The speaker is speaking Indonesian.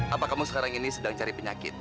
apa kamu sekarang ini sedang cari penyakit